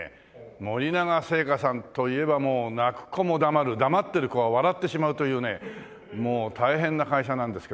森永製菓さんといえばもう泣く子も黙る黙ってる子は笑ってしまうというねもう大変な会社なんですけどね。